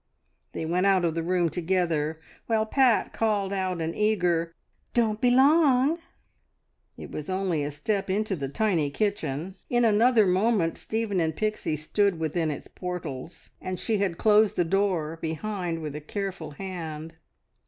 They went out of the room together, while Pat called out an eager, "Don't be long!" It was only a step into the tiny kitchen. In another moment Stephen and Pixie stood within its portals, and she had closed the door behind with a careful hand.